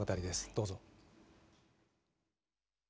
どうぞ。